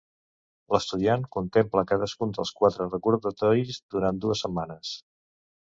L'estudiant contempla cadascun dels quatre recordatoris durant dues setmanes.